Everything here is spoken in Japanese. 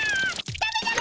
ダメダメ！